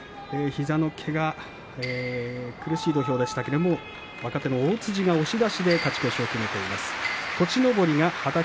膝のけがで苦しい土俵でしたけれど若手の大辻が押し出しで勝ち越しを決めました。